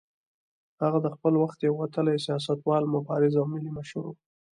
هغه د خپل وخت یو وتلی سیاستوال، مبارز او ملي مشر و.